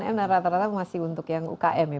delapan m dan rata rata masih untuk yang ukm ya